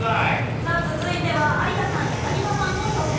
さあ続いては有田さん柳葉さんの挑戦です。